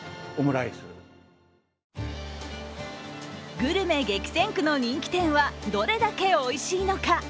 グルメ激戦区の人気店はどれだけおいしいのか。